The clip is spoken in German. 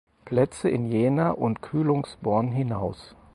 Plätze in Jena und Kühlungsborn hinaus.